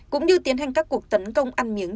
cũng như tiến hành các cuộc tấn công ăn miếng